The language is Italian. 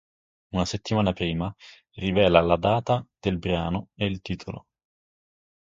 Una settimana prima rivela la data del brano e il titolo.